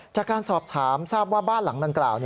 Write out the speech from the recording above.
จากการสอบถามทราบว่าบ้านหลังดังกล่าว